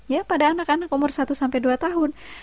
ya pada anak anak umur satu sampai dua tahun